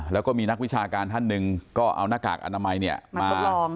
แล้วก็มีนักวิชาการท่านหนึ่งก็เอาหน้ากากอนามัยมา